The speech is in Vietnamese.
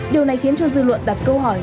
điều này khiến cho dư luận đặt câu hỏi